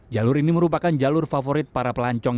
jalur ini merupakan jalur favorit para pelancong